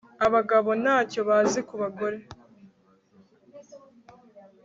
Abagabo ntacyo bazi kubagore